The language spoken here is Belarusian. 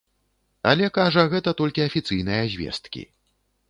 Але, кажа, гэта толькі афіцыйныя звесткі.